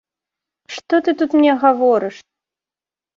Што ты тут мне гаворыш!